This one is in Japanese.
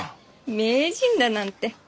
名人だなんて。